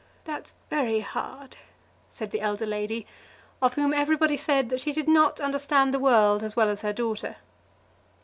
"That's very hard," said the elder lady, of whom everybody said that she did not understand the world as well as her daughter.